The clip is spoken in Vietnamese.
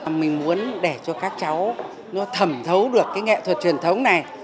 mà mình muốn để cho các cháu nó thẩm thấu được cái nghệ thuật truyền thống này